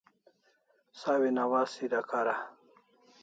Sawin awaz sida kara